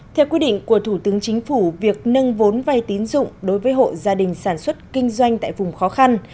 theo quy định của thủ tướng chính phủ việc nâng vốn vay tín dụng đối với hộ gia đình sản xuất kinh doanh tại vùng khó khăn